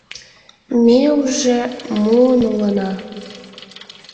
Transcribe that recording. Ме уже муын улына.